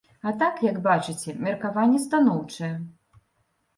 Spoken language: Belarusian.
А так, як бачыце, меркаванне станоўчае.